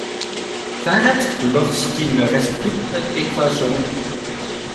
On s'arrête lorsqu'il ne reste plus qu'une équation.